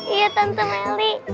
iya tante meli